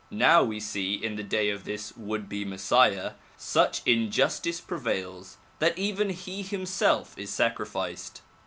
Now we see in the day of this would be Messiah such injustice prevails that even he himself is sacrificed.